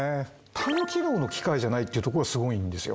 単機能の機械じゃないっていうとこがスゴいんですよ